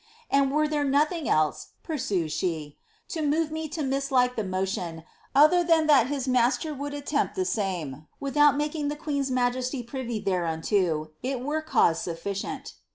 ^Aod were there nothing else," pursues she, ^ to move me to mislike the mo tion, other than that his master would attempt the same without making the queen's majesty privy thereunto, it were cause sufficient."